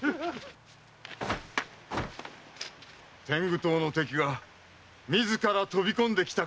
天狗党の敵が自ら飛び込んできたか。